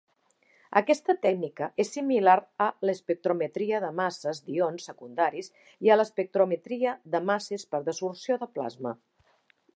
Aquesta tècnica és similar a l'espectrometria de masses d'ions secundaris i a l'espectrometria de masses per desorció de plasma.